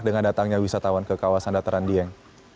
dengan datangnya wisatawan ke kawasan dataran dieng